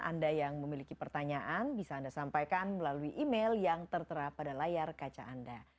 anda yang memiliki pertanyaan bisa anda sampaikan melalui email yang tertera pada layar kaca anda